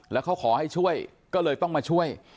แล้วเขาขอให้ช่วยก็เลยต้องมาช่วย